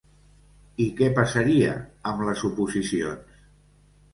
I què passaria amb les oposicions?